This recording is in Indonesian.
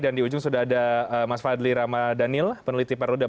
dan di ujung sudah ada mas fadli ramadhanil peneliti peruda